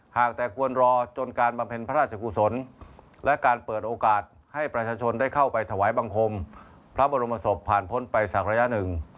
หากแต่ควรรอจนการบำเพ็ญพระราชกุศลและการเปิดโอกาสให้ประชาชนได้เข้าไปถวายบังคมพระบรมศพผ่านพ้นไปสักระยะหนึ่ง